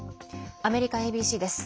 アメリカＡＢＣです。